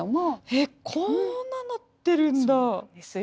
えこんななってるんだ！